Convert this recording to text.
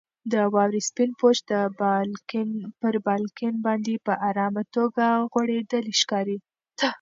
د واورې سپین پوښ پر بالکن باندې په ارامه توګه غوړېدلی ښکارېده.